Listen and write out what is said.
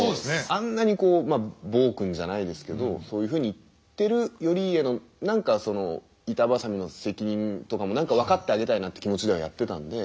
あんなにこう暴君じゃないですけどそういうふうに言ってる頼家の何かその板挟みの責任とかも分かってあげたいなって気持ちではやってたんで。